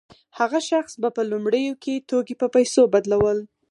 هغه شخص به په لومړیو کې توکي په پیسو بدلول